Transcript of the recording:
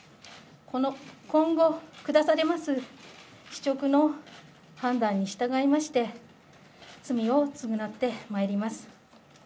今後、下されますしちょくの判断に従いまして、罪を償ってまいります。